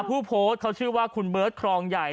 ผู้โพสต์เขาชื่อว่าคุณเบิร์ตครองใหญ่